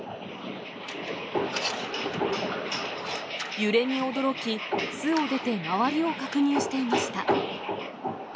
揺れに驚き、巣を出て、周りを確認していました。